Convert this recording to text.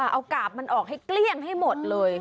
เอากาบมันออกให้เกลี้ยงให้หมดเลย